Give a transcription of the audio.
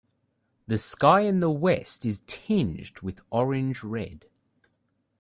The sky in the west is tinged with orange red.